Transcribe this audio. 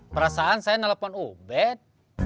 perasaan saya nelfon ubet